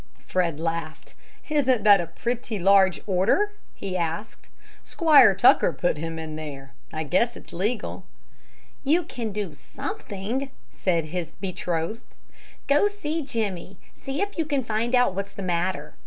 Fred laughed. "Isn't that a pretty large order?" he asked. "Squire Tucker put him there. I guess it's legal." "You can do something," said his betrothed. "Go to see Jimmie. See if you can't find out what's the matter.